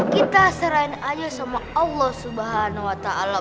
kita saranin aja sama allah subhanahu wa ta'ala